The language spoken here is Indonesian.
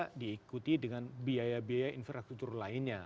tidak diikuti dengan biaya biaya infrastruktur lainnya